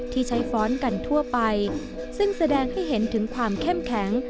ที่ใช้ฟ้อนกันทั่วไปซึ่งแสดงให้เห็นถึงความเข้มแข็ง